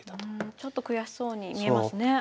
ちょっと悔しそうに見えますね。